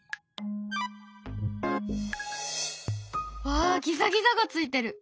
わあギザギザがついてる！